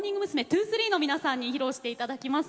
’２３の皆さんに披露して頂きます。